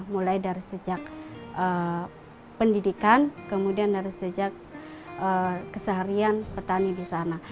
mulai dari sejak pendidikan kemudian dari sejak keseharian petani di sana